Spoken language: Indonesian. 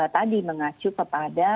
tadi mengacu kepada